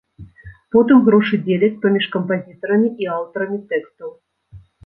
Потым грошы дзеляць паміж кампазітарамі і аўтарамі тэкстаў.